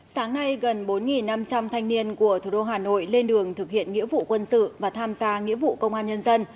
sáng nay gần bốn năm trăm linh thanh niên của thủ đô hà nội lên đường thực hiện nghĩa vụ quân sự và tham gia nghĩa vụ công an nhân dân